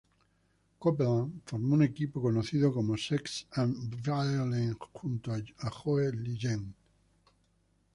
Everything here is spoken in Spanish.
Copeland formó un equipo conocido como Sex and Violence junto a Joe Legend.